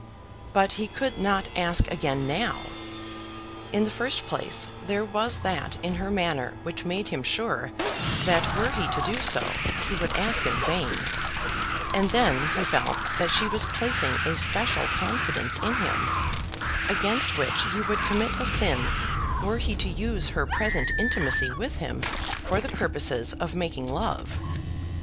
But he could not ask again now. In the first place, there was that in her manner which made him sure that were he to do so, he would ask in vain; and then he felt that she was placing a special confidence in him, against which he would commit a sin were he to use her present intimacy with him for the purposes of making love.